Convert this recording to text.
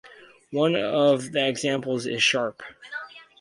One of the examples is Sharp.